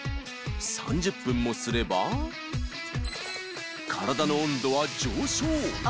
３０分もすれば体の温度は上昇